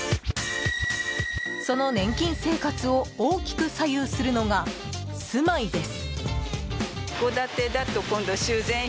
その年金生活を大きく左右するのが住まいです。